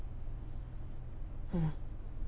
うん。